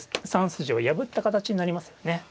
３筋を破った形になりますよね。